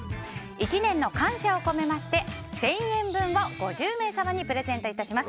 １年の感謝を込めまして１０００円分を５０名様にプレゼント致します。